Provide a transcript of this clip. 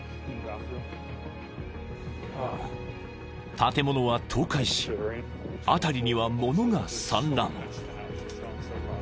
［建物は倒壊し辺りには物が散乱］